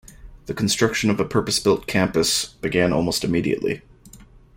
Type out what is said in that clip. The construction of a purpose built campus began almost immediately.